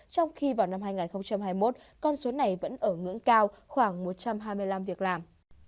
trong khi vào năm hai nghìn hai mươi một con số này vẫn ở ngưỡng cao khoảng một trăm hai mươi năm việc làm